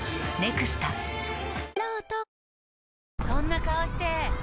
そんな顔して！